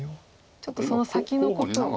ちょっとその先のことを。